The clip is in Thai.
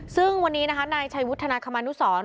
ซึ่งวันนี้นะคะนายชัยวุฒนาคมานุสร